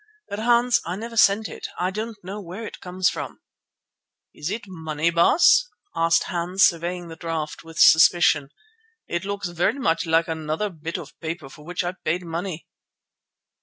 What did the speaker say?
But Hans, I never sent it; I don't know where it comes from." "Is it money, Baas?" asked Hans, surveying the draft with suspicion. "It looks very much like the other bit of paper for which I paid money."